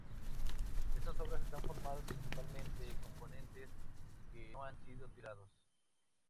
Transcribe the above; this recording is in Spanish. Estas obras están formadas principalmente de componentes que han sido tirados.